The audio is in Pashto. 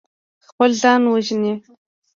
خپل ځان وژني.